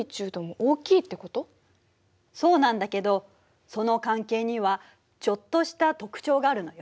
そうなんだけどその関係にはちょっとした特徴があるのよ。